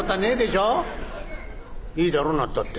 「いいだろう？なったって。